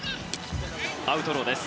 アウトローです。